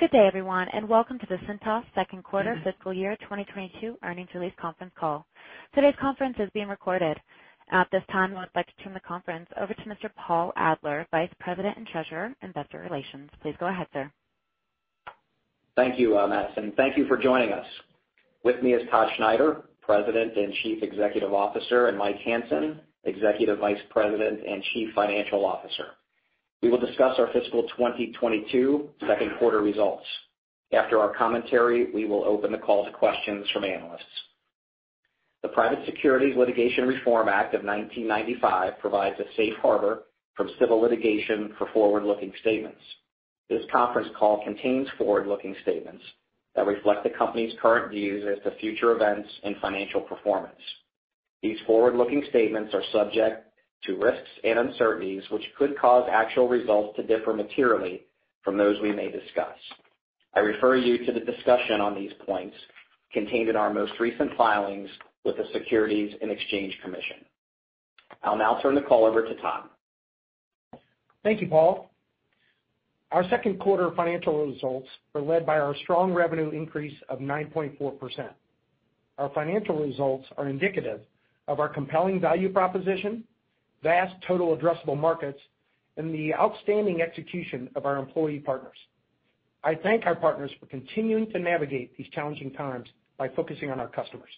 Good day, everyone, and welcome to the Cintas Second Quarter Fiscal Year 2022 Earnings Release Conference Call. Today's conference is being recorded. At this time, I would like to turn the conference over to Mr. Paul Adler, Vice President and Treasurer, Investor Relations. Please go ahead, sir. Thank you, Madison. Thank you for joining us. With me is Todd Schneider, President and Chief Executive Officer, and Mike Hansen, Executive Vice President and Chief Financial Officer. We will discuss our fiscal 2022 second quarter results. After our commentary, we will open the call to questions from analysts. The Private Securities Litigation Reform Act of 1995 provides a safe harbor from civil litigation for forward-looking statements. This conference call contains forward-looking statements that reflect the company's current views as to future events and financial performance. These forward-looking statements are subject to risks and uncertainties, which could cause actual results to differ materially from those we may discuss. I refer you to the discussion on these points contained in our most recent filings with the Securities and Exchange Commission. I'll now turn the call over to Todd. Thank you, Paul. Our second quarter financial results were led by our strong revenue increase of 9.4%. Our financial results are indicative of our compelling value proposition, vast total addressable markets, and the outstanding execution of our employee partners. I thank our partners for continuing to navigate these challenging times by focusing on our customers.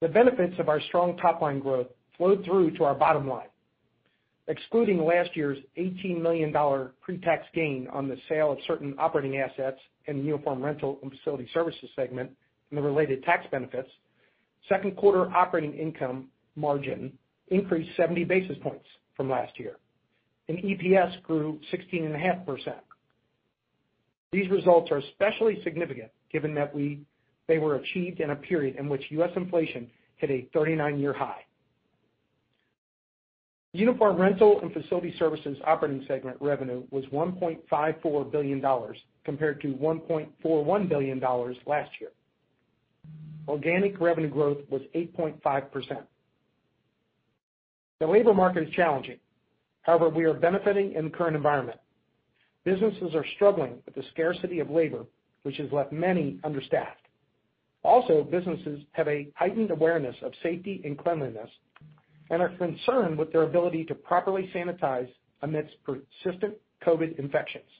The benefits of our strong top line growth flowed through to our bottom line. Excluding last year's $18 million pre-tax gain on the sale of certain operating assets in the Uniform Rental and Facility Services segment and the related tax benefits, second quarter operating income margin increased 70 basis points from last year, and EPS grew 16.5%. These results are especially significant given that they were achieved in a period in which U.S. inflation hit a 39-year high. Uniform Rental and Facility Services operating segment revenue was $1.54 billion compared to $1.41 billion last year. Organic revenue growth was 8.5%. The labor market is challenging. However, we are benefiting in the current environment. Businesses are struggling with the scarcity of labor, which has left many understaffed. Also, businesses have a heightened awareness of safety and cleanliness and are concerned with their ability to properly sanitize amidst persistent COVID infections.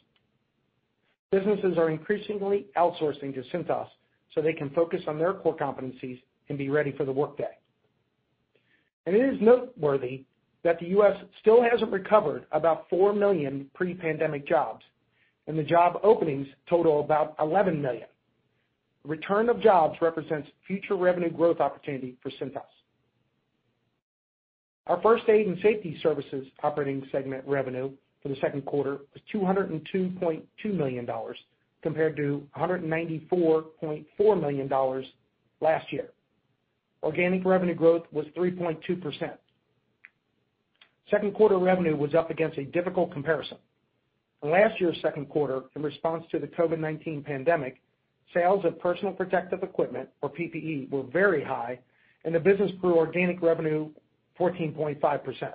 Businesses are increasingly outsourcing to Cintas so they can focus on their core competencies and be ready for the workday. It is noteworthy that the U.S. still hasn't recovered about 4 million pre-pandemic jobs, and the job openings total about 11 million. Return of jobs represents future revenue growth opportunity for Cintas. Our First Aid and Safety Services operating segment revenue for the second quarter was $202.2 million, compared to $194.4 million last year. Organic revenue growth was 3.2%. Second quarter revenue was up against a difficult comparison. In last year's second quarter, in response to the COVID-19 pandemic, sales of personal protective equipment, or PPE, were very high, and the business grew organic revenue 14.5%.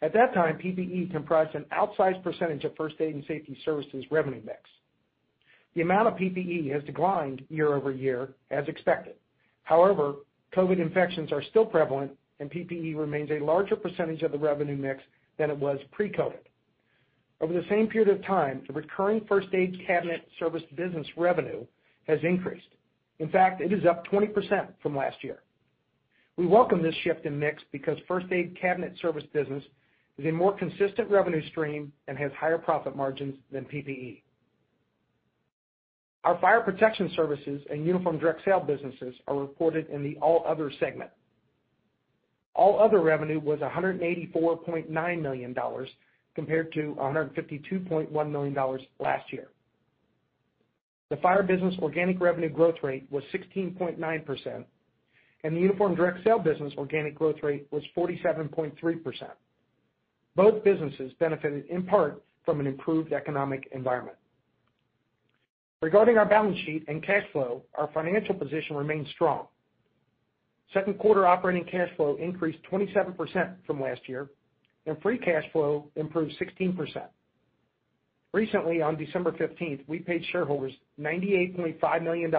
At that time, PPE comprised an outsized percentage of First Aid & Safety Services revenue mix. The amount of PPE has declined year-over-year as expected. However, COVID infections are still prevalent, and PPE remains a larger percentage of the revenue mix than it was pre-COVID. Over the same period of time, the recurring first aid cabinet service business revenue has increased. In fact, it is up 20% from last year. We welcome this shift in mix because first aid cabinet service business is a more consistent revenue stream and has higher profit margins than PPE. Our Fire Protection Services and Uniform Direct Sale businesses are reported in the All Other segment. All Other revenue was $184.9 million compared to $152.1 million last year. The Fire business organic revenue growth rate was 16.9%, and the Uniform Direct Sale business organic growth rate was 47.3%. Both businesses benefited in part from an improved economic environment. Regarding our balance sheet and cash flow, our financial position remains strong. Second quarter operating cash flow increased 27% from last year, and Free Cash Flow improved 16%. Recently, on December fifteenth, we paid shareholders $98.5 million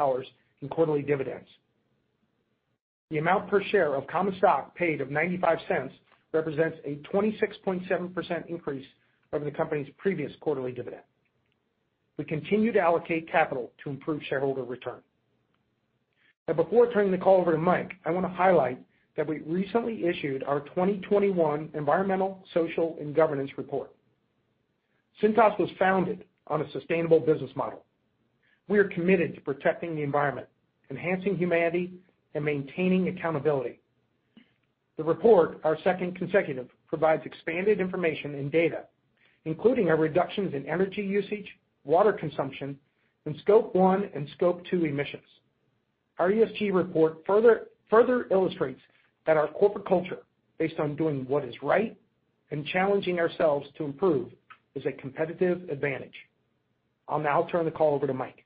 in quarterly dividends. The amount per share of common stock paid of $0.95 represents a 26.7% increase over the company's previous quarterly dividend. We continue to allocate capital to improve shareholder return. Now before turning the call over to Mike, I want to highlight that we recently issued our 2021 environmental, social, and governance report. Cintas was founded on a sustainable business model. We are committed to protecting the environment, enhancing humanity, and maintaining accountability. The report, our second consecutive, provides expanded information and data, including our reductions in energy usage, water consumption, and Scope 1 and Scope 2 emissions. Our ESG report further illustrates that our corporate culture, based on doing what is right and challenging ourselves to improve, is a competitive advantage. I'll now turn the call over to Mike.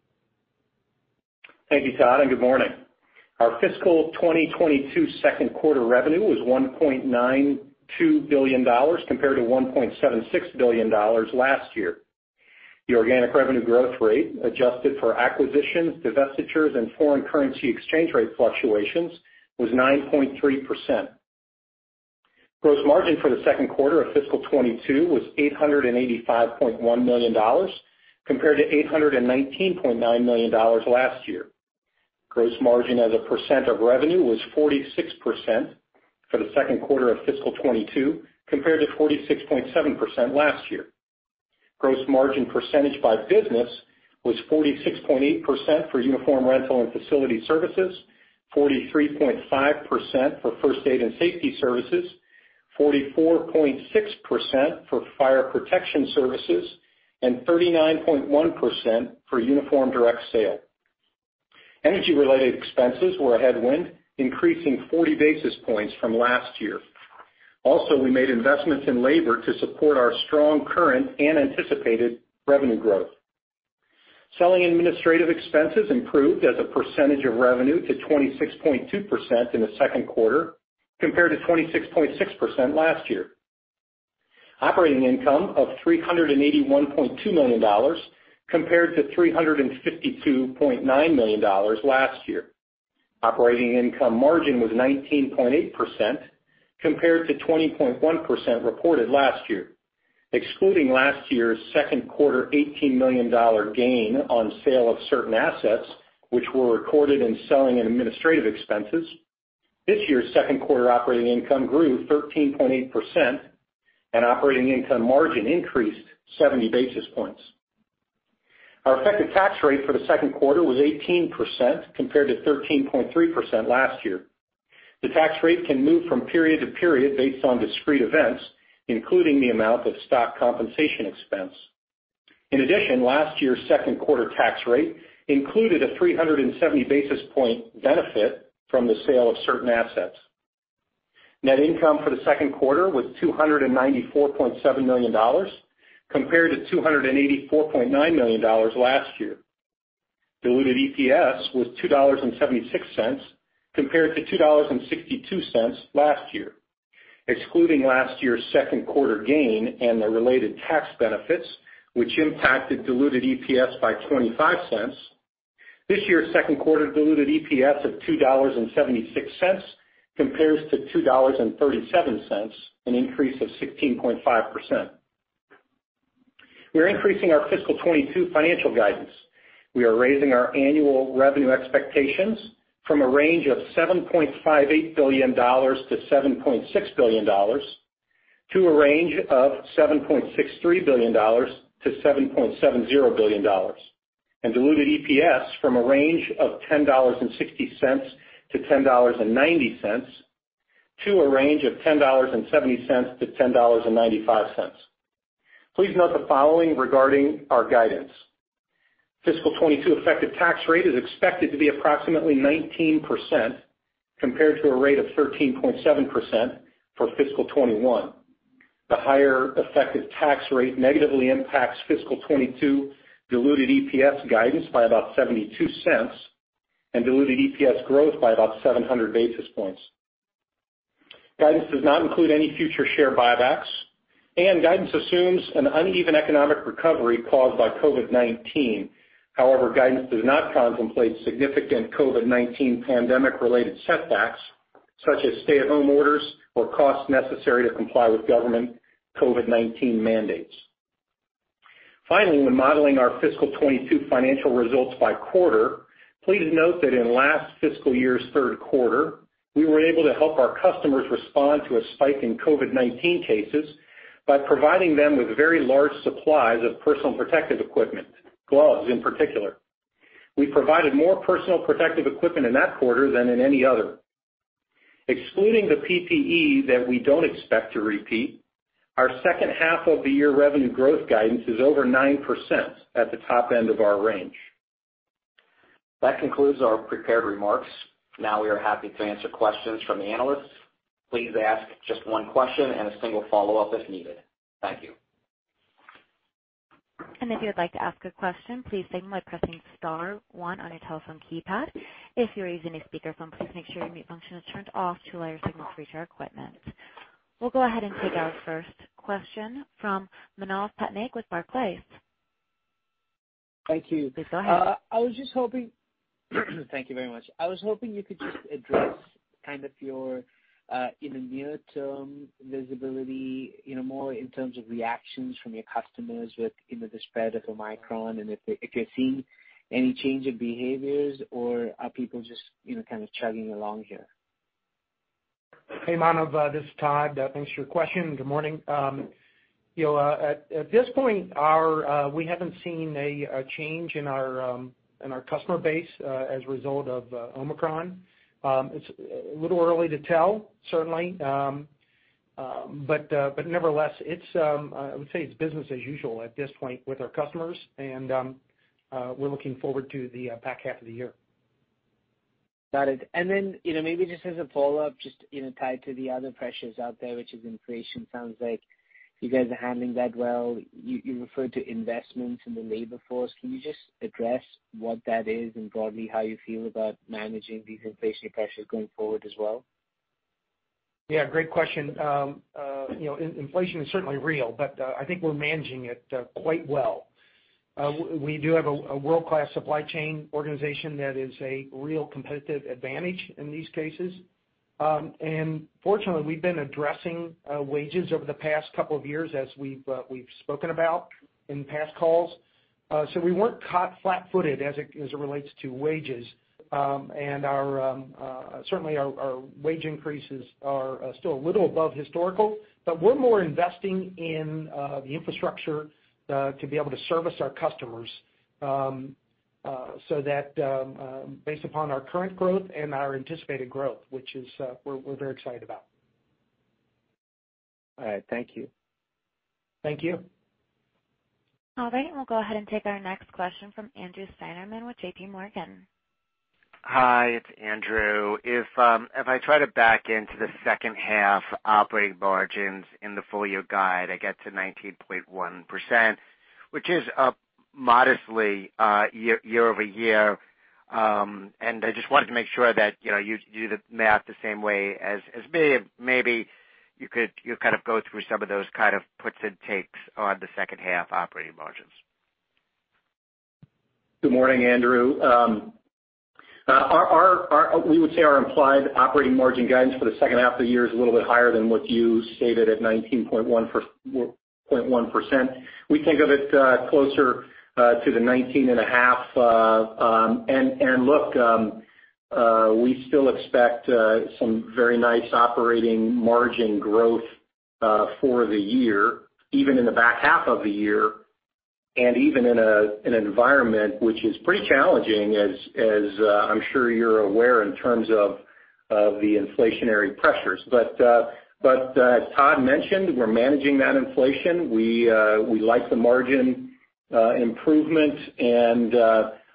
Thank you, Todd, and good morning. Our fiscal 2022 second quarter revenue was $1.92 billion compared to $1.76 billion last year. The organic revenue growth rate, adjusted for acquisitions, divestitures, and foreign currency exchange rate fluctuations, was 9.3%. Gross margin for the second quarter of fiscal 2022 was $885.1 million compared to $819.9 million last year. Gross margin as a percent of revenue was 46% for the second quarter of fiscal 2022 compared to 46.7% last year. Gross margin percentage by business was 46.8% for Uniform Rental and Facility Services, 43.5% for First Aid and Safety Services, 44.6% for Fire Protection Services, and 39.1% for Uniform Direct Sale. Energy related expenses were a headwind, increasing 40 basis points from last year. Also, we made investments in labor to support our strong current and anticipated revenue growth. Selling and administrative expenses improved as a percentage of revenue to 26.2% in the second quarter compared to 26.6% last year. Operating income of $381.2 million compared to $352.9 million last year. Operating income margin was 19.8% compared to 20.1% reported last year. Excluding last year's second quarter $18 million gain on sale of certain assets, which were recorded in selling and administrative expenses, this year's second quarter operating income grew 13.8%, and operating income margin increased 70 basis points. Our effective tax rate for the second quarter was 18% compared to 13.3% last year. The tax rate can move from period to period based on discrete events, including the amount of stock compensation expense. In addition, last year's second quarter tax rate included a 370 basis point benefit from the sale of certain assets. Net income for the second quarter was $294.7 million compared to $284.9 million last year. Diluted EPS was $2.76 compared to $2.62 last year. Excluding last year's second quarter gain and the related tax benefits, which impacted diluted EPS by 25 cents, this year's second quarter diluted EPS of $2.76 compares to $2.37, an increase of 16.5%. We're increasing our fiscal 2022 financial guidance. We are raising our annual revenue expectations from a range of $7.58 billion to $7.6 billion to a range of $7.63 billion-$7.70 billion. Diluted EPS from a range of $10.60-$10.90 to a range of $10.70-$10.95. Please note the following regarding our guidance. Fiscal 2022 effective tax rate is expected to be approximately 19% compared to a rate of 13.7% for fiscal 2021. The higher effective tax rate negatively impacts fiscal 2022 diluted EPS guidance by about $0.72 and diluted EPS growth by about 700 basis points. Guidance does not include any future share buybacks, and guidance assumes an uneven economic recovery caused by COVID-19. However, guidance does not contemplate significant COVID-19 pandemic related setbacks such as stay-at-home orders or costs necessary to comply with government COVID-19 mandates. Finally, when modeling our fiscal 2022 financial results by quarter, please note that in last fiscal year's third quarter, we were able to help our customers respond to a spike in COVID-19 cases by providing them with very large supplies of personal protective equipment, gloves in particular. We provided more personal protective equipment in that quarter than in any other. Excluding the PPE that we don't expect to repeat, our second half of the year revenue growth guidance is over 9% at the top end of our range. That concludes our prepared remarks. Now we are happy to answer questions from the analysts. Please ask just one question and a single follow-up if needed. Thank you. If you would like to ask a question, please signal by pressing star one on your telephone keypad. If you're using a speakerphone, please make sure your mute function is turned off to allow your signal through to our equipment. We'll go ahead and take our first question from Manav Patnaik with Barclays. Thank you. Please go ahead. Thank you very much. I was hoping you could just address kind of your in the near-term visibility, you know, more in terms of reactions from your customers with, you know, the spread of Omicron, and if you're seeing any change in behaviors or are people just, you know, kind of chugging along here? Hey, Manav, this is Todd. Thanks for your question. Good morning. You know, at this point, we haven't seen a change in our customer base as a result of Omicron. It's a little early to tell certainly. But nevertheless, I would say it's business as usual at this point with our customers and we're looking forward to the back half of the year. Got it. You know, maybe just as a follow-up, just, you know, tied to the other pressures out there, which is inflation. Sounds like you guys are handling that well. You referred to investments in the labor force. Can you just address what that is and broadly how you feel about managing these inflationary pressures going forward as well? Yeah, great question. You know, inflation is certainly real, but I think we're managing it quite well. We do have a world-class supply chain organization that is a real competitive advantage in these cases. Fortunately, we've been addressing wages over the past couple of years as we've spoken about in past calls. We weren't caught flat-footed as it relates to wages. Our wage increases are certainly still a little above historical, but we're investing more in the infrastructure to be able to service our customers so that based upon our current growth and our anticipated growth, which we're very excited about. All right. Thank you. Thank you. All right. We'll go ahead and take our next question from Andrew Steinerman with JPMorgan. Hi, it's Andrew. If I try to back into the second half operating margins in the full-year guide, I get to 19.1%, which is up modestly year-over-year. I just wanted to make sure that you know you do the math the same way as me. Maybe you could you kind of go through some of those kind of puts and takes on the second half operating margins. Good morning, Andrew. We would say our implied operating margin guidance for the second half of the year is a little bit higher than what you stated at 19.1%. We think of it closer to the 19.5%. Look, we still expect some very nice operating margin growth for the year, even in the back half of the year and even in an environment which is pretty challenging, as I'm sure you're aware in terms of the inflationary pressures. As Todd mentioned, we're managing that inflation. We like the margin improvement, and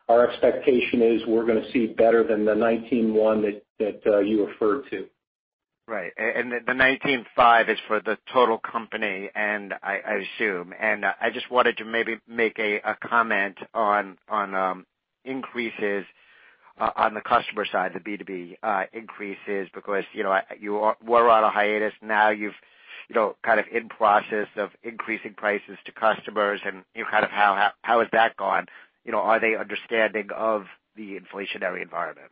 our expectation is we're gonna see better than the 19.1 that you referred to. Right. The 19.5 is for the total company, and I assume. I just wanted to maybe make a comment on increases on the customer side, the B2B increases, because you know, you were on a hiatus, now you're kind of in process of increasing prices to customers and you know kind of how is that going? You know, are they understanding of the inflationary environment?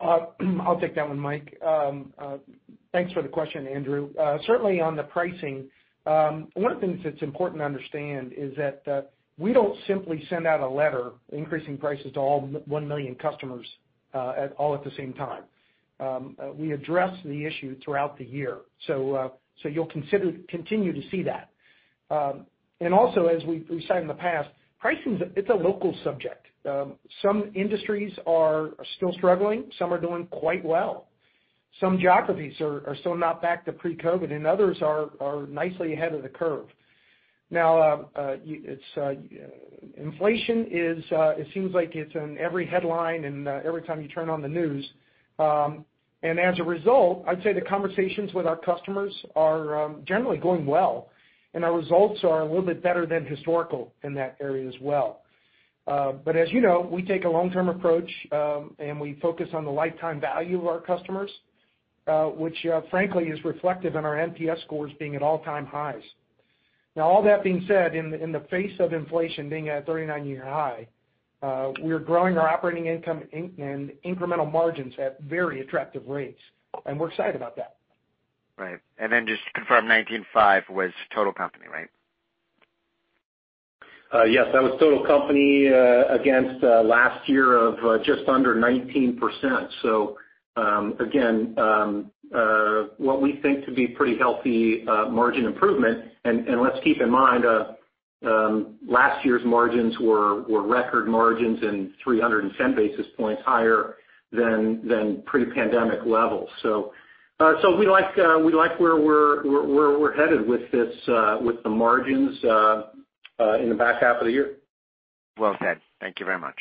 I'll take that one, Mike. Thanks for the question, Andrew. Certainly on the pricing, one of the things that's important to understand is that we don't simply send out a letter increasing prices to all one million customers at all at the same time. We address the issue throughout the year. You'll continue to see that. And also as we've said in the past, pricing's a local subject. Some industries are still struggling, some are doing quite well. Some geographies are still not back to pre-COVID, and others are nicely ahead of the curve. Now, inflation is. It seems like it's in every headline and every time you turn on the news. As a result, I'd say the conversations with our customers are generally going well, and our results are a little bit better than historical in that area as well. As you know, we take a long-term approach, and we focus on the lifetime value of our customers, which, frankly, is reflected in our NPS scores being at all-time highs. Now all that being said, in the face of inflation being at a 39-year high, we're growing our operating income and incremental margins at very attractive rates, and we're excited about that. Right. Just to confirm, $19.5 was total company, right? Yes. That was total company against last year of just under 19%. Again, what we think to be pretty healthy margin improvement. Let's keep in mind last year's margins were record margins and 310 basis points higher than pre-pandemic levels. We like where we're headed with the margins in the back half of the year. Well said. Thank you very much.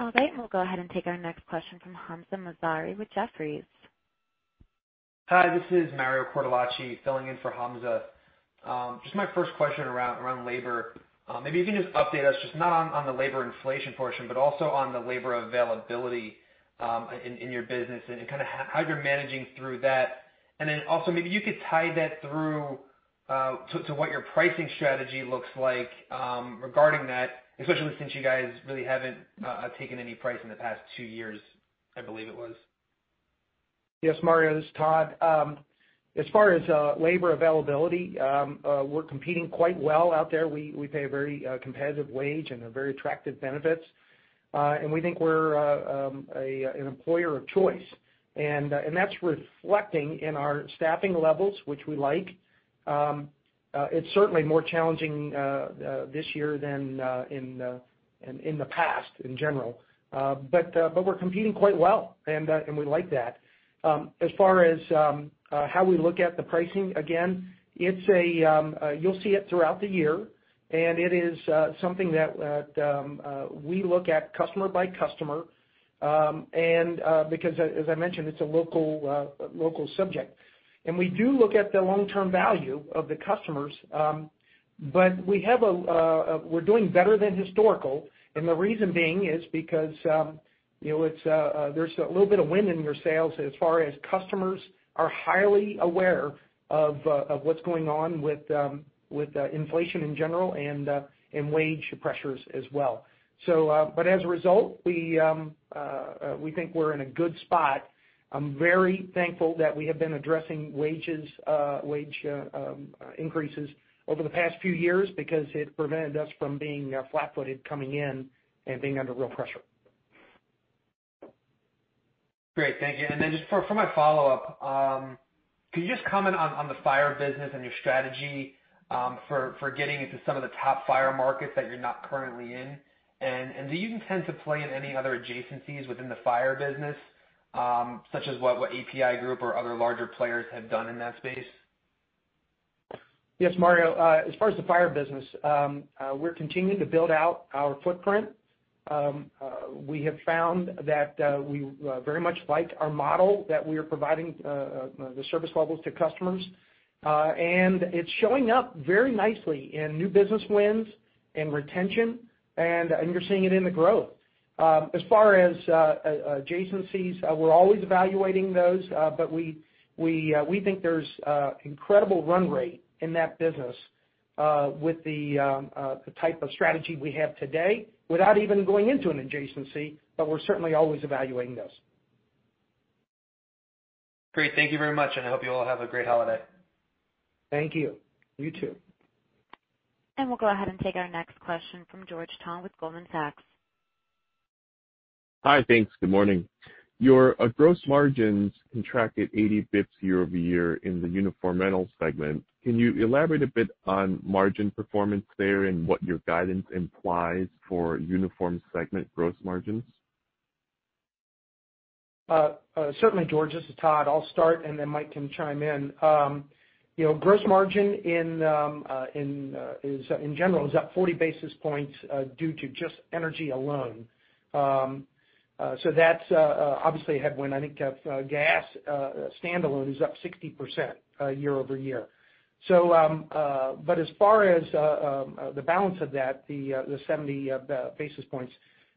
All right. We'll go ahead and take our next question from Hamzah Mazari with Jefferies. Hi, this is Mario Cortellacci filling in for Hamzah Mazari. Just my first question around labor. Maybe you can just update us just not on the labor inflation portion, but also on the labor availability in your business and kinda how you're managing through that. Maybe you could tie that through to what your pricing strategy looks like regarding that, especially since you guys really haven't taken any price in the past two years, I believe it was. Yes, Mario, this is Todd. As far as labor availability, we're competing quite well out there. We pay a very competitive wage and a very attractive benefits. We think we're an employer of choice. That's reflecting in our staffing levels, which we like. It's certainly more challenging this year than in the past in general. We're competing quite well, and we like that. As far as how we look at the pricing, again, it's annual, you'll see it throughout the year. It is something that we look at customer by customer, and because as I mentioned, it's a local subject. We do look at the long-term value of the customers, but we're doing better than historical. The reason being is because, you know, there's a little bit of wind in your sails as far as customers are highly aware of what's going on with inflation in general and wage pressures as well. But as a result, we think we're in a good spot. I'm very thankful that we have been addressing wage increases over the past few years because it prevented us from being flat-footed coming in and being under real pressure. Great. Thank you. Just for my follow-up, could you just comment on the fire business and your strategy for getting into some of the top fire markets that you're not currently in? Do you intend to play in any other adjacencies within the fire business, such as what APi Group or other larger players have done in that space? Yes, Mario. As far as the fire business, we're continuing to build out our footprint. We have found that we very much like our model that we are providing the service levels to customers. It's showing up very nicely in new business wins and retention, and you're seeing it in the growth. As far as adjacencies, we're always evaluating those, but we think there's incredible run rate in that business, with the type of strategy we have today without even going into an adjacency, but we're certainly always evaluating those. Great. Thank you very much, and I hope you all have a great holiday. Thank you. You too. We'll go ahead and take our next question from George Tong with Goldman Sachs. Hi. Thanks. Good morning. Your gross margins contracted 80 basis points year-over-year in the uniform rental segment. Can you elaborate a bit on margin performance there and what your guidance implies for uniform segment gross margins? Certainly, George. This is Todd. I'll start, and then Mike can chime in. You know, gross margin in general is up 40 basis points due to just energy alone. That's obviously a headwind. I think gas standalone is up 60% year-over-year. As far as the balance of that, the 70 basis points,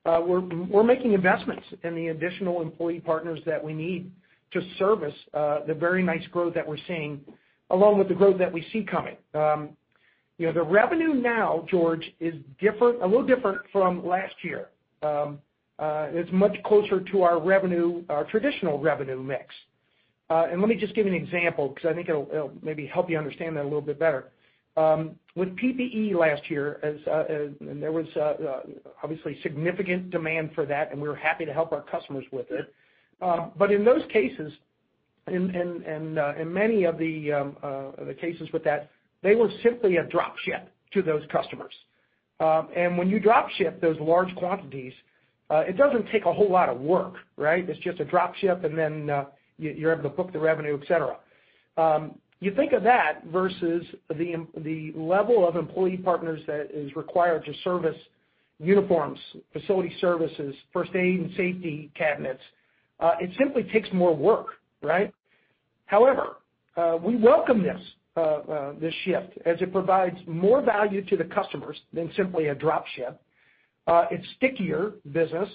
we're making investments in the additional employee partners that we need to service the very nice growth that we're seeing, along with the growth that we see coming. You know, the revenue now, George, is different, a little different from last year. It's much closer to our revenue, our traditional revenue mix. Let me just give you an example because I think it'll maybe help you understand that a little bit better. With PPE last year, there was obviously significant demand for that, and we were happy to help our customers with it. In those cases, many of the cases with that, they were simply a drop ship to those customers. When you drop ship those large quantities, it doesn't take a whole lot of work, right? It's just a drop ship, and then you're able to book the revenue, et cetera. You think of that versus the level of employee partners that is required to service uniforms, facility services, first aid, and safety cabinets. It simply takes more work, right? However, we welcome this shift as it provides more value to the customers than simply a drop ship. It's stickier business,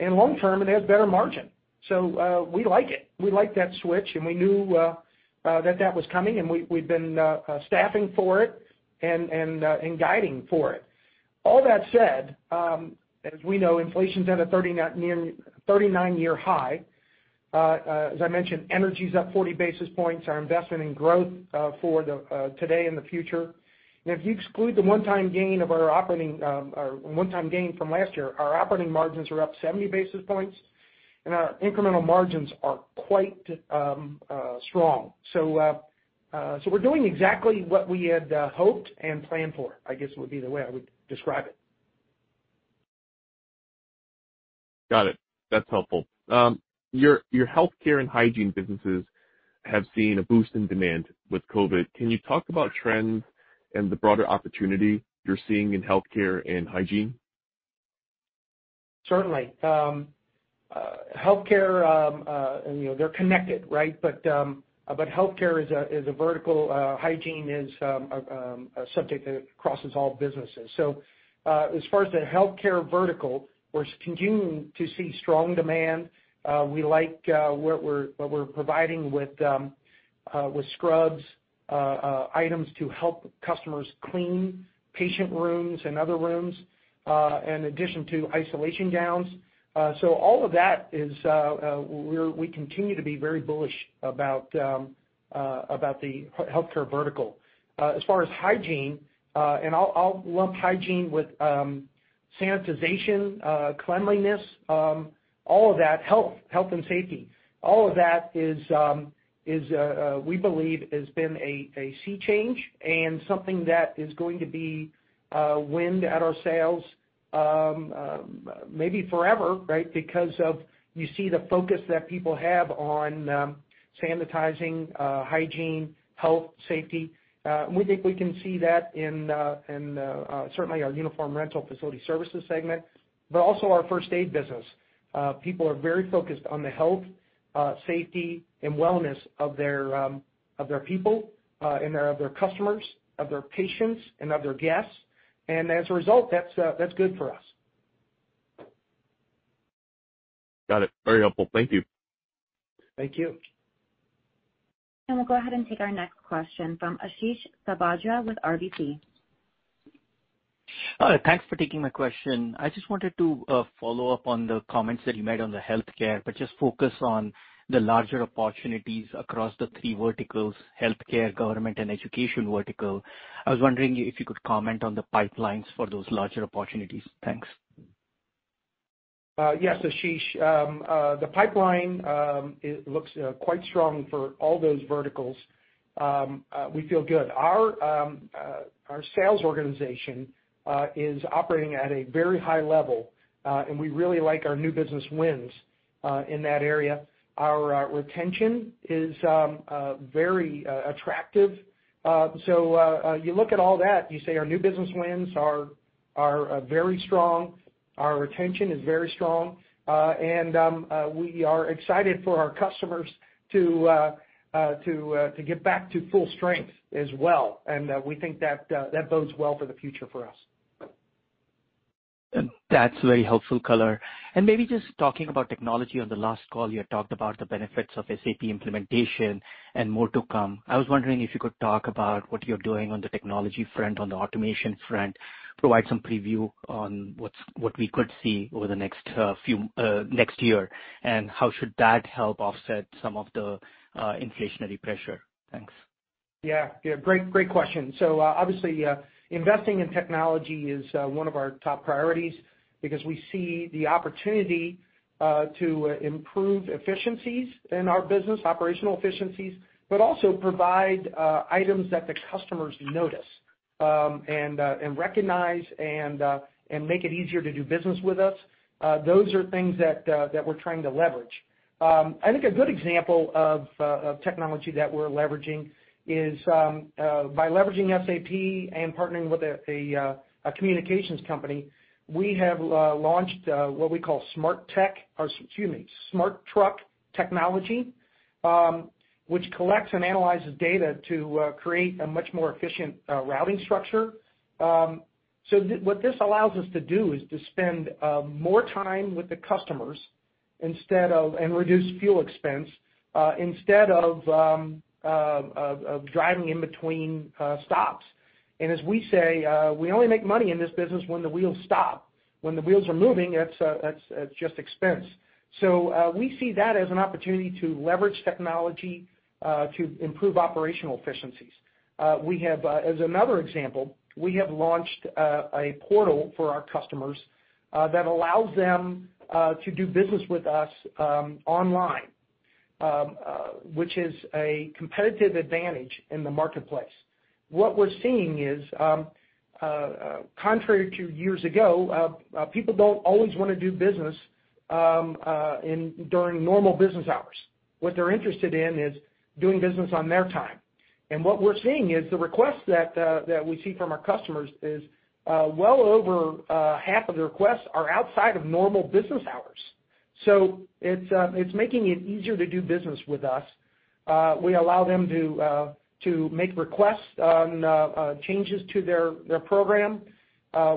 and long term, it has better margin. We like it. We like that switch, and we knew that was coming, and we've been staffing for it and guiding for it. All that said, as we know, inflation's at a near 39-year high. As I mentioned, energy's up 40 basis points. Our investment in growth for today and the future. If you exclude the one-time gain from last year, our operating margins are up 70 basis points, and our incremental margins are quite strong. We're doing exactly what we had hoped and planned for, I guess, would be the way I would describe it. Got it. That's helpful. Your healthcare and hygiene businesses have seen a boost in demand with COVID. Can you talk about trends and the broader opportunity you're seeing in healthcare and hygiene? Certainly. Healthcare and, you know, they're connected, right? Healthcare is a vertical, hygiene is a subject that crosses all businesses. As far as the healthcare vertical, we're continuing to see strong demand. We like what we're providing with scrubs, items to help customers clean patient rooms and other rooms, in addition to isolation gowns. All of that, we continue to be very bullish about the healthcare vertical. As far as hygiene, I'll lump hygiene with sanitization, cleanliness, all of that health and safety. All of that we believe has been a sea change and something that is going to be wind in our sails, maybe forever, right? Because you see the focus that people have on sanitizing, hygiene, health, safety. We think we can see that in certainly our Uniform Rental and Facility Services segment, but also our first aid business. People are very focused on the health, safety and wellness of their people and their customers, of their patients and of their guests. As a result, that's good for us. Got it. Very helpful. Thank you. Thank you. We'll go ahead and take our next question from Ashish Sabadra with RBC. Thanks for taking my question. I just wanted to follow up on the comments that you made on the healthcare, but just focus on the larger opportunities across the three verticals, healthcare, government and education vertical. I was wondering if you could comment on the pipelines for those larger opportunities. Thanks. Yes, Ashish. The pipeline looks quite strong for all those verticals. We feel good. Our sales organization is operating at a very high level, and we really like our new business wins in that area. Our retention is very attractive. You look at all that, you say our new business wins are very strong. Our retention is very strong, and we are excited for our customers to get back to full strength as well. We think that bodes well for the future for us. That's very helpful color. Maybe just talking about technology. On the last call, you had talked about the benefits of SAP implementation and more to come. I was wondering if you could talk about what you're doing on the technology front, on the automation front, provide some preview on what we could see over the next few years, and how should that help offset some of the inflationary pressure. Thanks. Yeah. Yeah, great question. Obviously, investing in technology is one of our top priorities because we see the opportunity to improve efficiencies in our business, operational efficiencies, but also provide items that the customers notice, and recognize and make it easier to do business with us. Those are things that we're trying to leverage. I think a good example of technology that we're leveraging is by leveraging SAP and partnering with a communications company. We have launched what we call smart tech, or excuse me, Smart Truck technology, which collects and analyzes data to create a much more efficient routing structure. What this allows us to do is to spend more time with the customers instead of Reduce fuel expense, instead of driving in between stops. As we say, we only make money in this business when the wheels stop. When the wheels are moving, that's just expense. We see that as an opportunity to leverage technology to improve operational efficiencies. We have, as another example, we have launched a portal for our customers that allows them to do business with us online, which is a competitive advantage in the marketplace. What we're seeing is, contrary to years ago, people don't always wanna do business during normal business hours. What they're interested in is doing business on their time. What we're seeing is the requests that we see from our customers is well over half of the requests are outside of normal business hours. It's making it easier to do business with us. We allow them to make requests on changes to their program.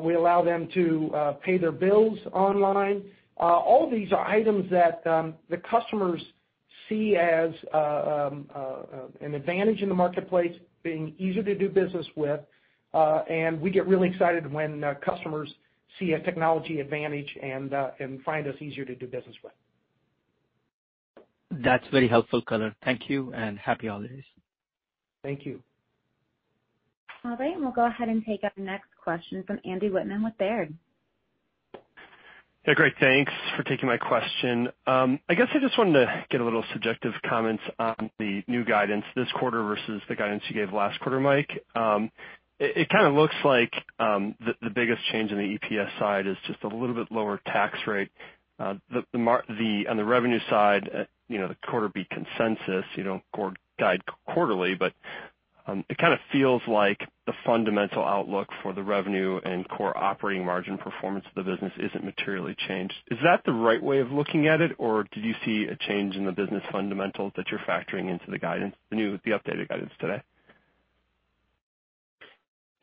We allow them to pay their bills online. All these are items that the customers see as an advantage in the marketplace, being easier to do business with, and we get really excited when customers see a technology advantage and find us easier to do business with. That's very helpful color. Thank you, and happy holidays. Thank you. All right, we'll go ahead and take our next question from Andy Wittmann with Baird. Yeah, great, thanks for taking my question. I guess I just wanted to get a little substantive comments on the new guidance this quarter versus the guidance you gave last quarter, Mike. It kinda looks like the biggest change in the EPS side is just a little bit lower tax rate. On the revenue side, you know, the quarter beat consensus. You don't guide quarterly, but it kinda feels like the fundamental outlook for the revenue and core operating margin performance of the business isn't materially changed. Is that the right way of looking at it, or did you see a change in the business fundamentals that you're factoring into the new updated guidance today?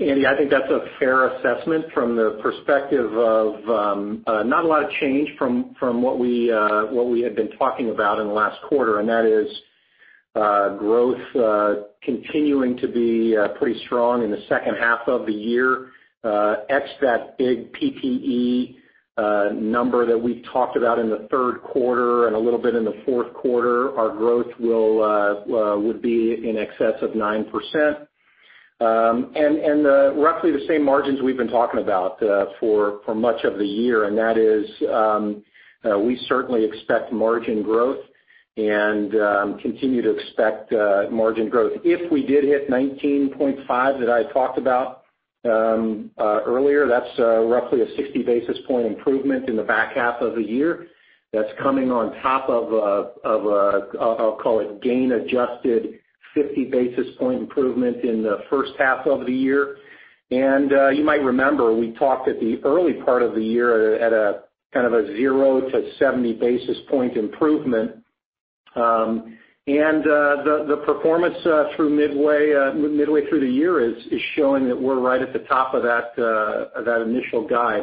Andy, I think that's a fair assessment from the perspective of not a lot of change from what we had been talking about in the last quarter, and that is growth continuing to be pretty strong in the second half of the year. Ex that big PPE number that we talked about in the third quarter and a little bit in the fourth quarter, our growth would be in excess of 9%. Roughly the same margins we've been talking about for much of the year, and that is we certainly expect margin growth. Continue to expect margin growth. If we did hit 19.5 that I talked about earlier, that's roughly a 60 basis point improvement in the back half of the year. That's coming on top of a, I'll call it gain-adjusted 50 basis point improvement in the first half of the year. You might remember, we talked at the early part of the year at a kind of a 0-70 basis point improvement. The performance through midway through the year is showing that we're right at the top of that initial guide.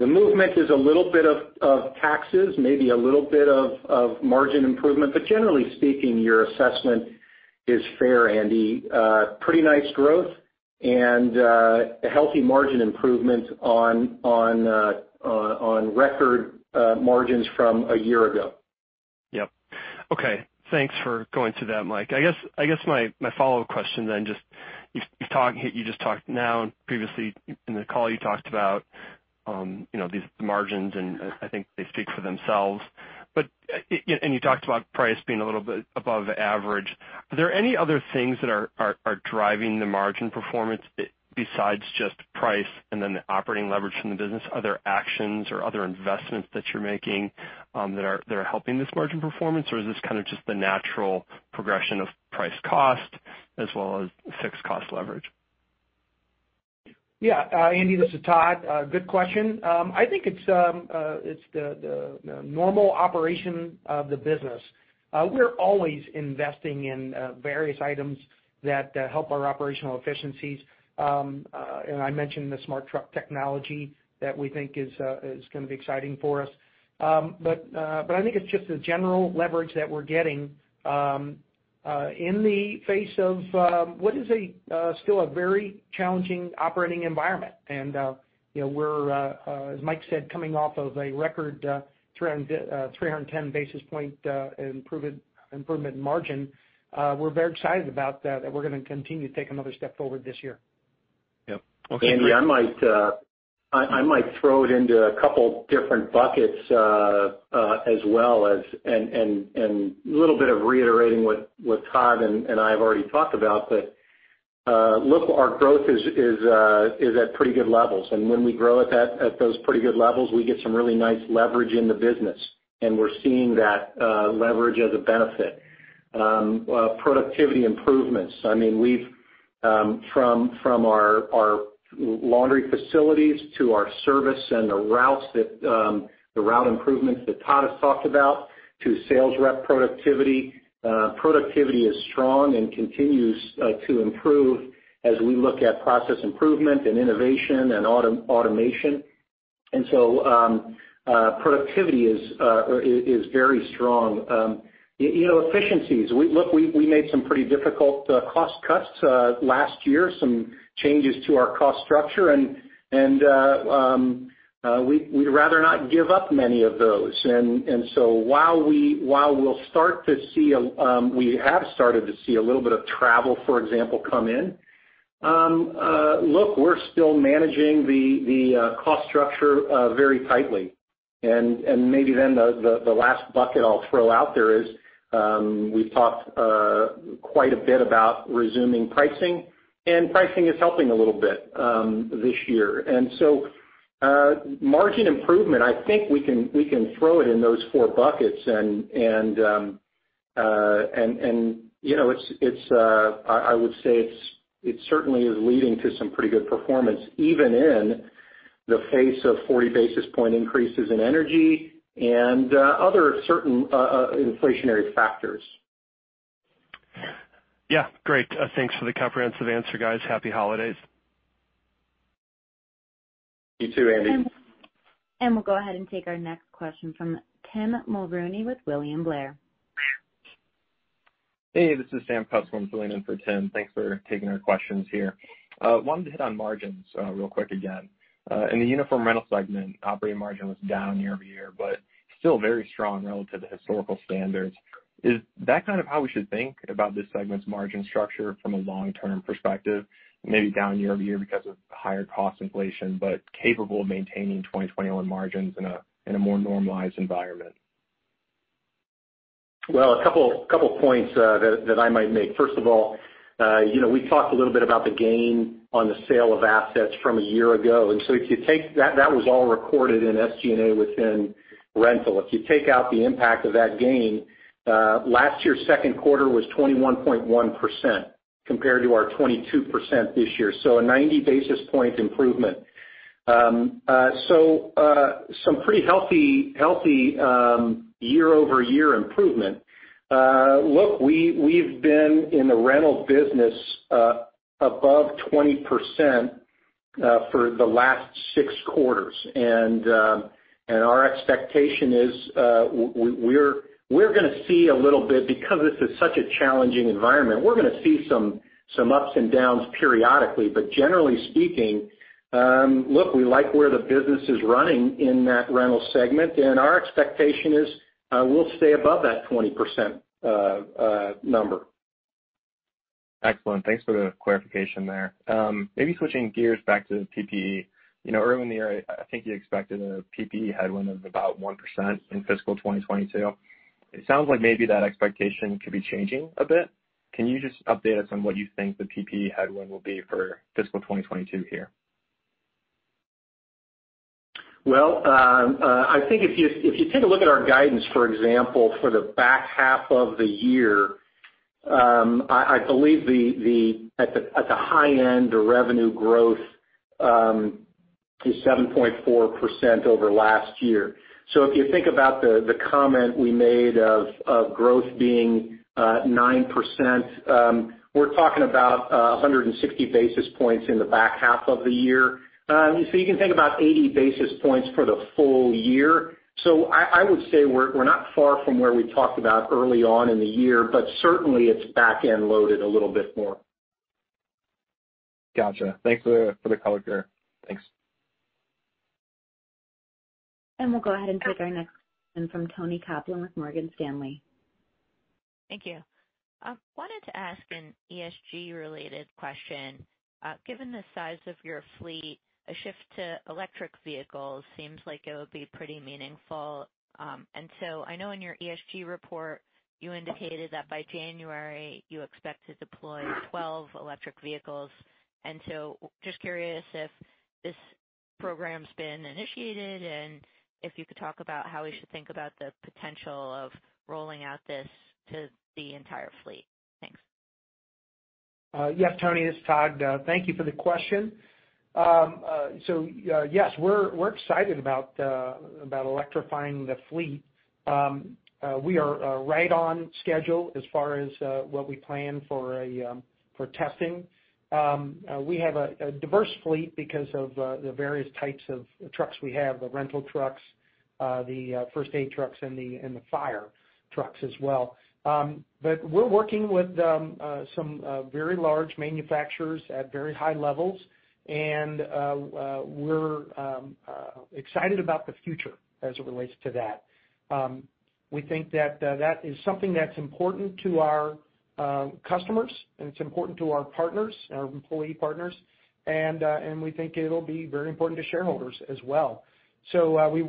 The movement is a little bit of taxes, maybe a little bit of margin improvement, but generally speaking, your assessment is fair, Andy. Pretty nice growth and a healthy margin improvement on record margins from a year ago. Yep. Okay, thanks for going through that, Mike. I guess my follow-up question then, you just talked now and previously in the call you talked about you know, these margins, and I think they speak for themselves. You talked about price being a little bit above average. Are there any other things that are driving the margin performance besides just price and then the operating leverage from the business? Are there actions or other investments that you're making that are helping this margin performance? Is this kind of just the natural progression of price cost as well as fixed cost leverage? Andy, this is Todd. Good question. I think it's the normal operation of the business. We're always investing in various items that help our operational efficiencies. I mentioned the Smart Truck technology that we think is gonna be exciting for us. I think it's just the general leverage that we're getting in the face of what is still a very challenging operating environment. You know, we're, as Mike said, coming off of a record 310 basis point improvement in margin. We're very excited about that we're gonna continue to take another step forward this year. Yep. Okay. Andy, I might throw it into a couple different buckets, as well as a little bit of reiterating what Todd and I have already talked about. Look, our growth is at pretty good levels. When we grow at those pretty good levels, we get some really nice leverage in the business, and we're seeing that leverage as a benefit. Productivity improvements. I mean, we've from our laundry facilities to our service and the routes that the route improvements that Todd has talked about to sales rep productivity is strong and continues to improve as we look at process improvement and innovation and automation. Productivity is very strong. You know, efficiencies. Look, we made some pretty difficult cost cuts last year, some changes to our cost structure and we'd rather not give up many of those. While we have started to see a little bit of travel, for example, come in, look, we're still managing the cost structure very tightly. Maybe then the last bucket I'll throw out there is, we've talked quite a bit about resuming pricing, and pricing is helping a little bit this year. Margin improvement, I think we can throw it in those four buckets and, you know, I would say it's certainly leading to some pretty good performance, even in the face of 40 basis point increases in energy and other certain inflationary factors. Yeah, great. Thanks for the comprehensive answer, guys. Happy holidays. You too, Andy. We'll go ahead and take our next question from Tim Mulrooney with William Blair. Hey, this is Sam Putz. I'm filling in for Tim. Thanks for taking our questions here. Wanted to hit on margins real quick again. In the uniform rental segment, operating margin was down year-over-year, but still very strong relative to historical standards. Is that kind of how we should think about this segment's margin structure from a long-term perspective? Maybe down year-over-year because of higher cost inflation, but capable of maintaining 2021 margins in a more normalized environment. Well, a couple of points that I might make. First of all, you know, we talked a little bit about the gain on the sale of assets from a year ago. That was all recorded in SG&A within rental. If you take out the impact of that gain, last year's second quarter was 21.1% compared to our 22% this year. A 90 basis point improvement. Some pretty healthy year-over-year improvement. Look, we've been in the rental business above 20% for the last six quarters. Our expectation is, we're gonna see a little bit, because this is such a challenging environment, we're gonna see some ups and downs periodically. Generally speaking, look, we like where the business is running in that rental segment, and our expectation is, we'll stay above that 20% number. Excellent. Thanks for the clarification there. Maybe switching gears back to PPE. You know, early in the year, I think you expected a PPE headwind of about 1% in fiscal 2022. It sounds like maybe that expectation could be changing a bit. Can you just update us on what you think the PPE headwind will be for fiscal 2022 here? Well, I think if you take a look at our guidance, for example, for the back half of the year, I believe at the high end, the revenue growth is 7.4% over last year. If you think about the comment we made of growth being 9%, we're talking about 160 basis points in the back half of the year. You can think about 80 basis points for the full year. I would say we're not far from where we talked about early on in the year, but certainly it's back-end loaded a little bit more. Gotcha. Thanks for the color here. Thanks. We'll go ahead and take our next from Toni Kaplan with Morgan Stanley. Thank you. I wanted to ask an ESG related question. Given the size of your fleet, a shift to electric vehicles seems like it would be pretty meaningful. I know in your ESG report you indicated that by January you expect to deploy 12 electric vehicles. Just curious if this program's been initiated, and if you could talk about how we should think about the potential of rolling out this to the entire fleet. Thanks. Yes, Toni, this is Todd. Thank you for the question. Yes, we're excited about electrifying the fleet. We are right on schedule as far as what we plan for testing. We have a diverse fleet because of the various types of trucks we have, the rental trucks, the first aid trucks, and the fire trucks as well. We're working with some very large manufacturers at very high levels and we're excited about the future as it relates to that. We think that is something that's important to our customers, and it's important to our partners, our employee partners, and we think it'll be very important to shareholders as well. We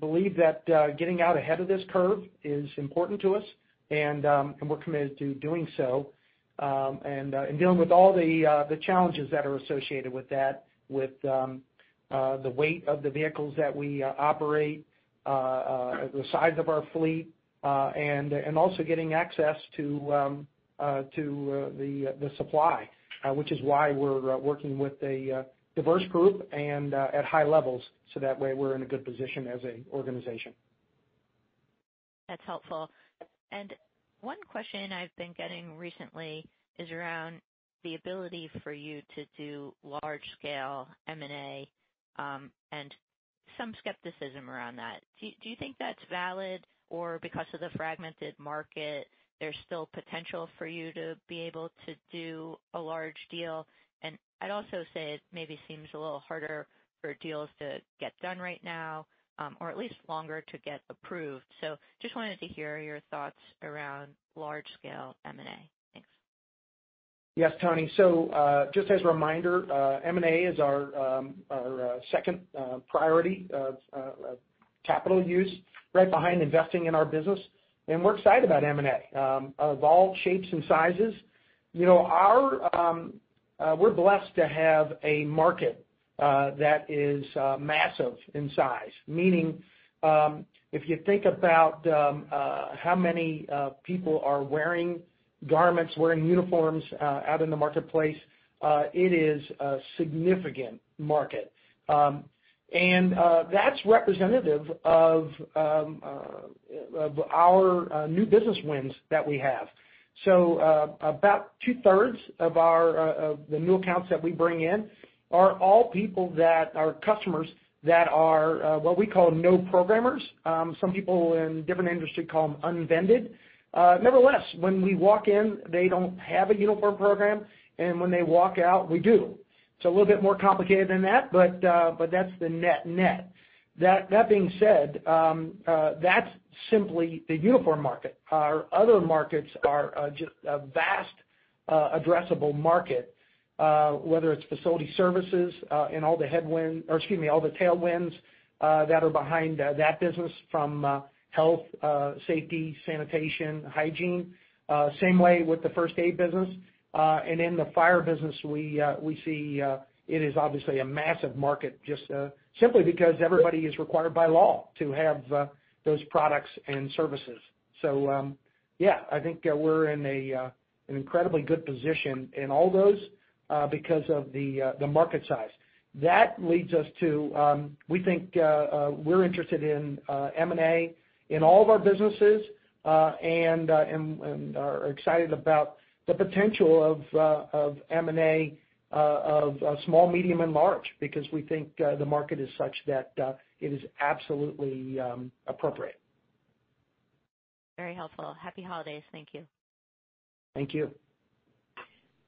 believe that getting out ahead of this curve is important to us and we're committed to doing so and dealing with all the challenges that are associated with that, with the weight of the vehicles that we operate, the size of our fleet, and also getting access to the supply, which is why we're working with a diverse group and at high levels so that way we're in a good position as an organization. That's helpful. One question I've been getting recently is around the ability for you to do large scale M&A, and some skepticism around that. Do you think that's valid or because of the fragmented market, there's still potential for you to be able to do a large deal? I'd also say it maybe seems a little harder for deals to get done right now, or at least longer to get approved. Just wanted to hear your thoughts around large scale M&A. Thanks. Yes, Toni. Just as a reminder, M&A is our second priority of capital use right behind investing in our business, and we're excited about M&A of all shapes and sizes. You know, we're blessed to have a market that is massive in size. Meaning, if you think about how many people are wearing garments, wearing uniforms out in the marketplace, it is a significant market. That's representative of our new business wins that we have. About two-thirds of our new accounts that we bring in are all people that are customers that are what we call no-programmers. Some people in different industry call them unvended. Nevertheless, when we walk in, they don't have a uniform program, and when they walk out, we do. It's a little bit more complicated than that, but that's the net-net. That being said, that's simply the uniform market. Our other markets are just a vast addressable market, whether it's facility services and all the headwind, or excuse me, all the tailwinds that are behind that business from health, safety, sanitation, hygiene. Same way with the first aid business. In the fire business, we see it is obviously a massive market just simply because everybody is required by law to have those products and services. Yeah, I think we're in an incredibly good position in all those because of the market size. That leads us to we think we're interested in M&A in all of our businesses and are excited about the potential of M&A of small, medium, and large because we think the market is such that it is absolutely appropriate. Very helpful. Happy holidays. Thank you. Thank you.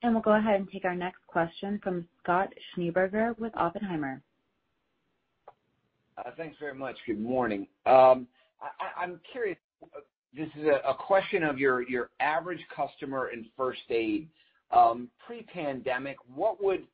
We'll go ahead and take our next question from Scott Schneeberger with Oppenheimer. Thanks very much. Good morning. I'm curious. This is a question of your average customer in first aid. Pre-pandemic, what would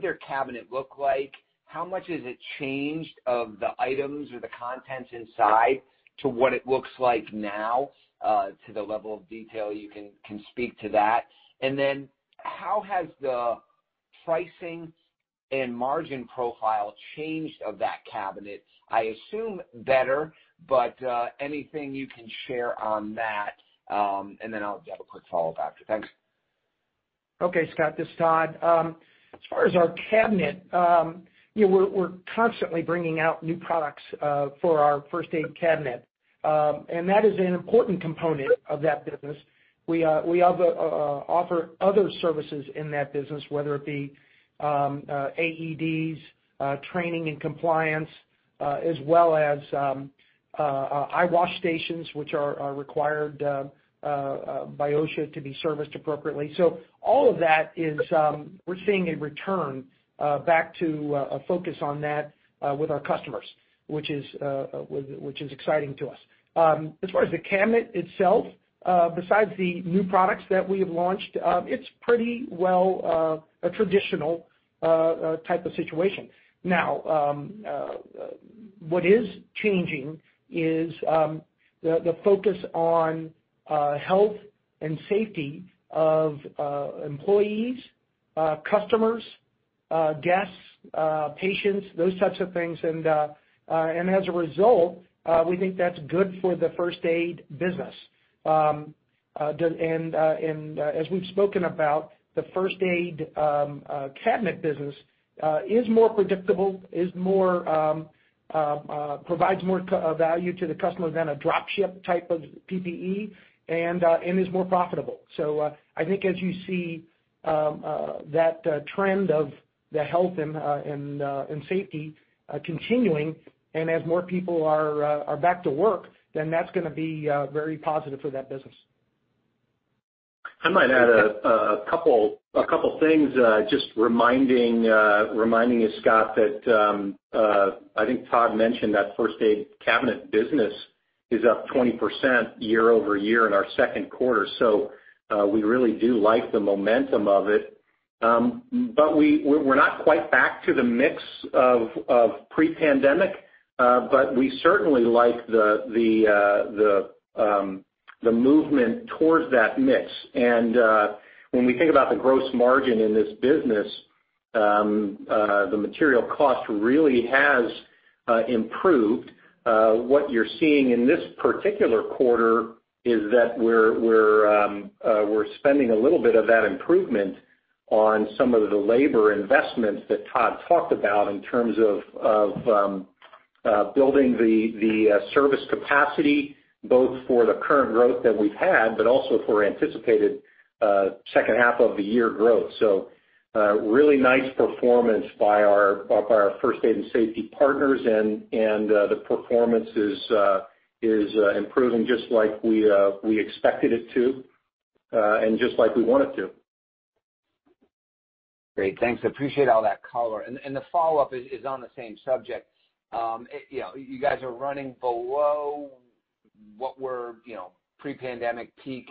their cabinet look like? How much has it changed of the items or the contents inside to what it looks like now, to the level of detail you can speak to that? And then how has the pricing and margin profile changed of that cabinet? I assume better, but anything you can share on that, and then I'll have a quick follow up after. Thanks. Okay, Scott, this is Todd. As far as our cabinet, yeah, we're constantly bringing out new products for our first aid cabinet. That is an important component of that business. We offer other services in that business, whether it be AEDs, training and compliance, as well as eye wash stations, which are required by OSHA to be serviced appropriately. All of that, we're seeing a return back to a focus on that with our customers, which is exciting to us. As far as the cabinet itself, besides the new products that we have launched, it's pretty well a traditional type of situation. Now, what is changing is the focus on health and safety of employees, customers, guests, patients, those types of things. As a result, we think that's good for the first aid business. As we've spoken about, the first aid cabinet business is more predictable, provides more value to the customer than a drop ship type of PPE and is more profitable. I think as you see that trend of the health and safety continuing and as more people are back to work, then that's gonna be very positive for that business. I might add a couple things. Just reminding you, Scott, that I think Todd mentioned that first aid cabinet business is up 20% year-over-year in our second quarter. We really do like the momentum of it. We're not quite back to the mix of pre-pandemic, but we certainly like the movement towards that mix. When we think about the gross margin in this business, the material cost really has improved. What you're seeing in this particular quarter is that we're spending a little bit of that improvement on some of the labor investments that Todd talked about in terms of building the service capacity, both for the current growth that we've had, but also for anticipated second half of the year growth. Really nice performance by our first aid and safety partners. The performance is improving just like we expected it to and just like we want it to. Great. Thanks. I appreciate all that color. The follow-up is on the same subject. You know, you guys are running below what were pre-pandemic peak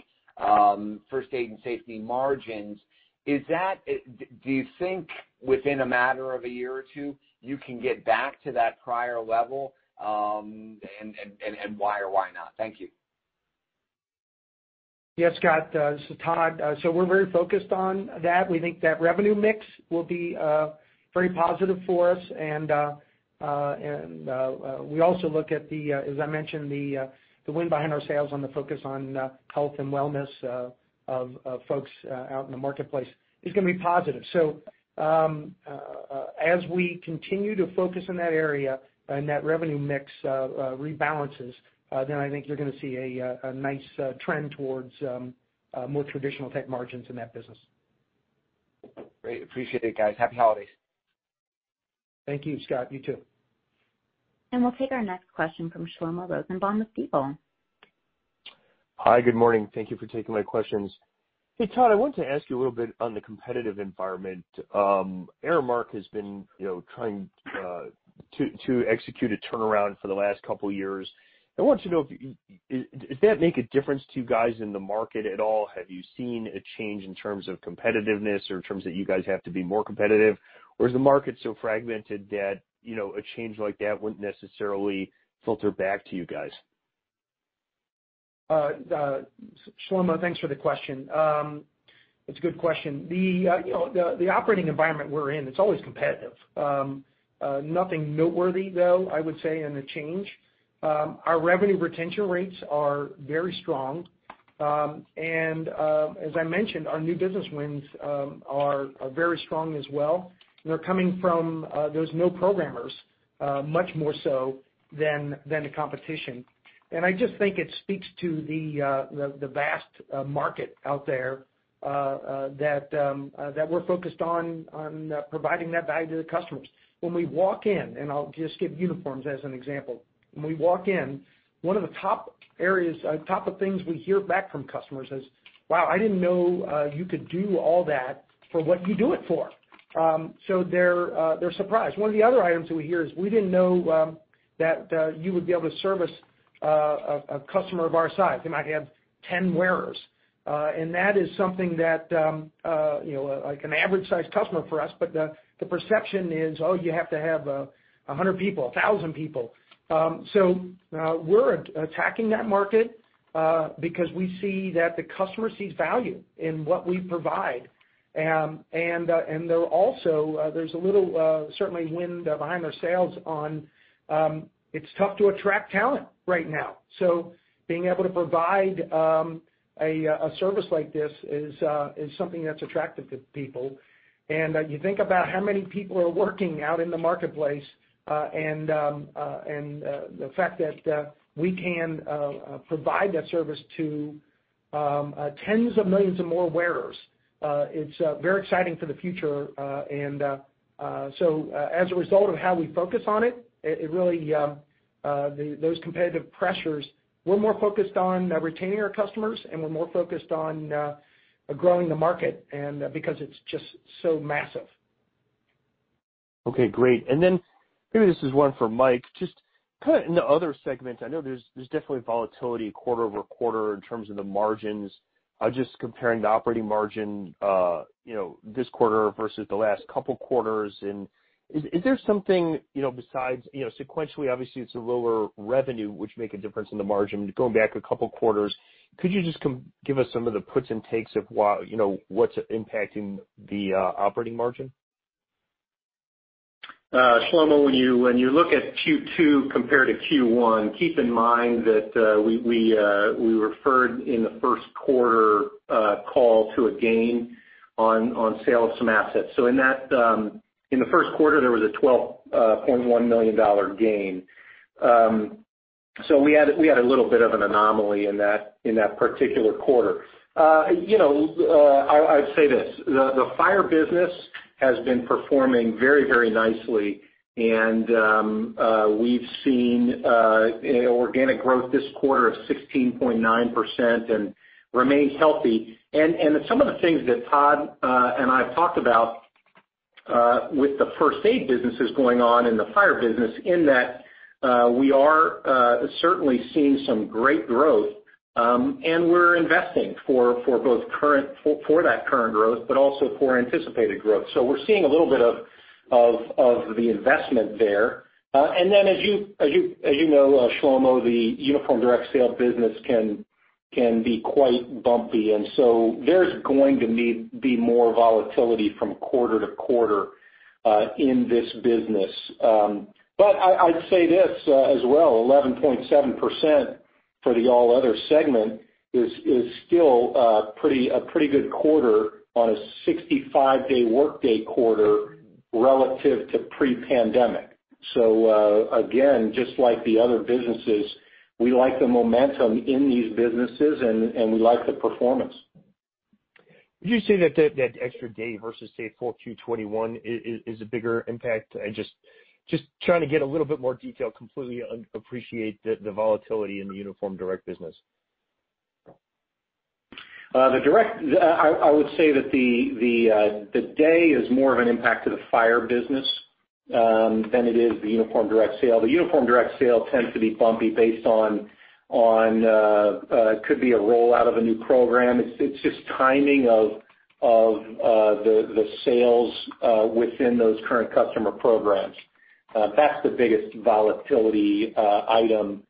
first aid and safety margins. Do you think within a matter of a year or two, you can get back to that prior level? Why or why not? Thank you. Yeah, Scott, this is Todd. We're very focused on that. We think that revenue mix will be very positive for us. We also look at, as I mentioned, the wind behind our sails on the focus on health and wellness of folks out in the marketplace is gonna be positive. As we continue to focus in that area and that revenue mix rebalances, then I think you're gonna see a nice trend towards more traditional type margins in that business. Great. Appreciate it, guys. Happy holidays. Thank you, Scott. You too. We'll take our next question from Shlomo Rosenbaum with Stifel. Hi, good morning. Thank you for taking my questions. Hey, Todd, I want to ask you a little bit on the competitive environment. Aramark has been, you know, trying to execute a turnaround for the last couple years. I want to know, does that make a difference to you guys in the market at all? Have you seen a change in terms of competitiveness or in terms that you guys have to be more competitive? Or is the market so fragmented that, you know, a change like that wouldn't necessarily filter back to you guys? Shlomo, thanks for the question. It's a good question. You know, the operating environment we're in, it's always competitive. Nothing noteworthy, though, I would say, in the change. Our revenue retention rates are very strong. As I mentioned, our new business wins are very strong as well. They're coming from those non-programmers much more so than the competition. I just think it speaks to the vast market out there that we're focused on providing that value to the customers. When we walk in, and I'll just give uniforms as an example. When we walk in, one of the top areas, top of things we hear back from customers is, "Wow, I didn't know you could do all that for what you do it for." They're surprised. One of the other items that we hear is we didn't know that you would be able to service a customer of our size. They might have 10 wearers. That is something that you know, like an average sized customer for us, but the perception is, oh, you have to have 100 people, 1,000 people. We're attacking that market because we see that the customer sees value in what we provide. They'll also there's a little certainly wind behind their sails on it's tough to attract talent right now. Being able to provide a service like this is something that's attractive to people. You think about how many people are working out in the marketplace and the fact that we can provide that service to tens of millions of more wearers, it's very exciting for the future. As a result of how we focus on it really those competitive pressures, we're more focused on retaining our customers, and we're more focused on growing the market and because it's just so massive. Okay, great. Maybe this is one for Mike. Just kind of in the other segments, I know there's definitely volatility quarter over quarter in terms of the margins. Just comparing the operating margin, you know, this quarter versus the last couple quarters and is there something, you know, besides, you know, sequentially, obviously it's a lower revenue, which make a difference in the margin. Going back a couple quarters, could you just give us some of the puts and takes of why, you know, what's impacting the operating margin? Shlomo, when you look at Q2 compared to Q1, keep in mind that we referred in the first quarter call to a gain on sale of some assets. In the first quarter, there was a $12.1 million gain. We had a little bit of an anomaly in that particular quarter. You know, I'd say this, the fire business has been performing very nicely and we've seen organic growth this quarter of 16.9% and remain healthy. Some of the things that Todd and I have talked about with the first aid businesses going on in the fire business in that we are certainly seeing some great growth and we're investing for both current growth and anticipated growth. We're seeing a little bit of the investment there. As you know, Shlomo, the Uniform Direct Sale business can be quite bumpy and so there's going to be more volatility from quarter to quarter in this business. I'd say this as well, 11.7% for the All Other segment is still a pretty good quarter on a 65-day workday quarter relative to pre-pandemic. Again, just like the other businesses, we like the momentum in these businesses and we like the performance. Would you say that extra day versus say full Q21 is a bigger impact? I'm just trying to get a little bit more detail. I completely understand and appreciate the volatility in the uniform direct business. The direct, I would say that the day is more of an impact to the fire business than it is the Uniform Direct Sale. The Uniform Direct Sale tends to be bumpy based on could be a rollout of a new program. It's just timing of the sales within those current customer programs. That's the biggest volatility item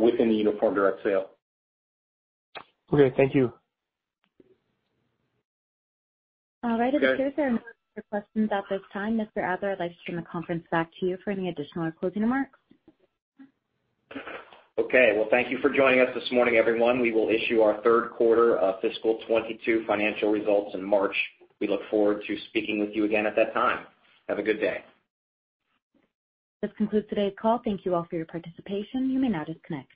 within the Uniform Direct Sale. Okay, thank you. All right. Okay. It appears there are no more questions at this time. Mr. Schneider, I'd like to turn the conference back to you for any additional or closing remarks. Okay. Well, thank you for joining us this morning, everyone. We will issue our third quarter of fiscal 2022 financial results in March. We look forward to speaking with you again at that time. Have a good day. This concludes today's call. Thank you all for your participation. You may now disconnect.